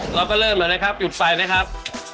เราก็เริ่มเลยนะครับหยุดไฟนะครับ